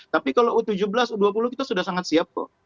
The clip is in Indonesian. tapi kalau u tujuh belas u dua puluh kita sudah sangat siap kok